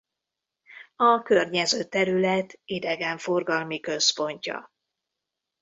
A környező terület idegenforgalmi központja.